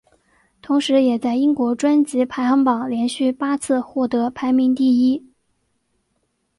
同时也在英国专辑排行榜连续八次获得排名第一。